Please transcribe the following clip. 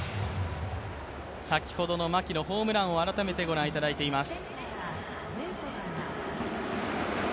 先ほどの牧のホームランを改めてご覧いただいています。